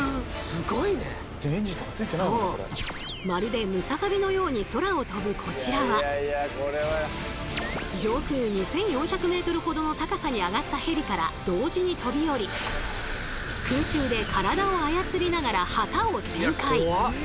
まるでムササビのように空を飛ぶこちらは上空２，４００ｍほどの高さに上がったヘリから同時に飛び降り空中で体を操りながら旗を旋回。